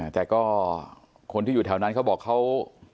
แต่ก็คนที่อยู่แถวนั้นเขาบอกเขา